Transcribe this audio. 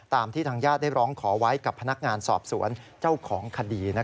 ที่ทางญาติได้ร้องขอไว้กับพนักงานสอบสวนเจ้าของคดี